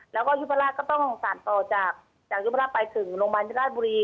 แล้วก็ยุพราชก็ต้องสารต่อจากยุพราชไปถึงโรงพยาบาลยุราชบุรี